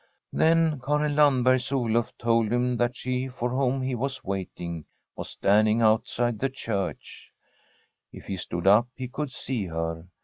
Then Karin Landberg*s Olnf told hmi that she for whom he was waiting was standing out side the church. If he stood up, he could see her.